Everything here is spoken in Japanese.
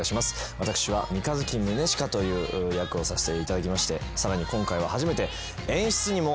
私は三日月宗近という役をさせていただきましてさらに今回は初めて演出にも挑戦させていただきます。